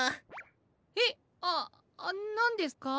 えっあっなんですか？